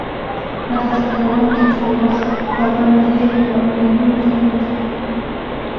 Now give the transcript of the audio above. عرضه کوونکي د وخت پابندي مهم ګڼي.